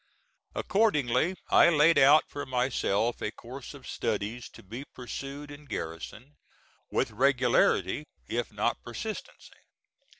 Accordingly I laid out for myself a course of studies to be pursued in garrison, with regularity, if not persistency.